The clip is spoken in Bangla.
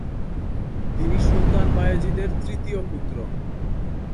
তিনি সুলতান বায়েজীদের তৃতীয় পুত্র।